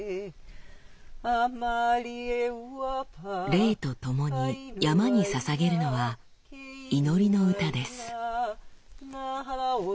レイとともに山に捧げるのは祈りの歌です。